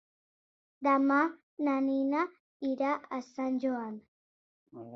Demà na Nina irà a Sant Joan.